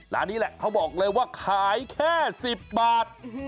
ร้านนี้แหละเขาบอกเลยว่าขายแค่๑๐บาท